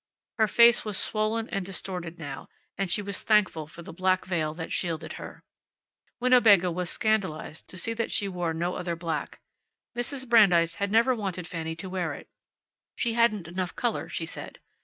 Her face was swollen and distorted now, and she was thankful for the black veil that shielded her. Winnebago was scandalized to see that she wore no other black. Mrs. Brandeis had never wanted Fanny to wear it; she hadn't enough color, she said.